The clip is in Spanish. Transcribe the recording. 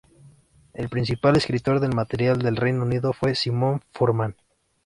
El principal escritor del material del Reino Unido fue Simon Furman.